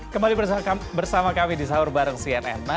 kembali bersama kami di sahur bareng cnn